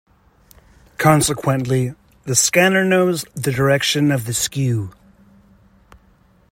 Consequently, the scanner knows the direction of the skew.